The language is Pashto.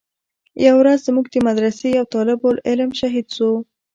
يوه ورځ زموږ د مدرسې يو طالب العلم شهيد سو.